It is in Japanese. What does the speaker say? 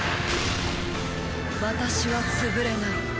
「私は潰れない」。